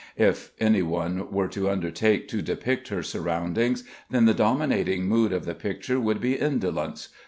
If anyone were to undertake to depict her surroundings, then the dominating mood of the picture would be indolence.